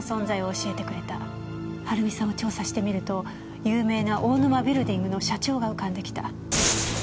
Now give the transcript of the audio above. はるみさんを調査してみると有名な大沼ビルディングの社長が浮かんできた。